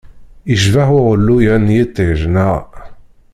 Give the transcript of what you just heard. Yecbeḥ uɣelluy-a n yiṭij, neɣ?